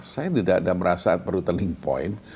saya tidak merasa perlu turning point